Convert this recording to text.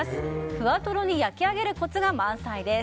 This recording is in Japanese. ふわとろに焼き上げるコツが満載です。